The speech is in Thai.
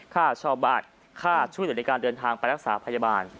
ข้าชาวบาดข้าช่วยวิทยาลัยการเดินทางไปรักษาพยาบาล